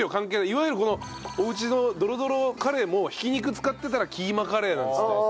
いわゆるおうちのドロドロカレーも挽き肉使ってたらキーマカレーなんですって。